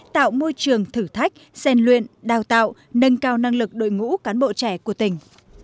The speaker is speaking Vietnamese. tạo môi trường thử thách xen luyện đào tạo nâng cao năng lực đội ngũ cán bộ trẻ của tỉnh